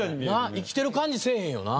生きてる感じせえへんよな。